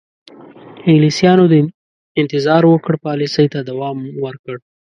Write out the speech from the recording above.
انګلیسیانو د انتظار وکړه پالیسۍ ته دوام ورکړ.